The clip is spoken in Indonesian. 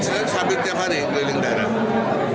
saya hampir tiap hari keliling daerah